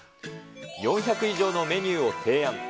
４００以上のメニューを提案。